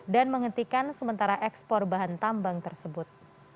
dan menghentikan sementara ekspor bahan tambang tersebut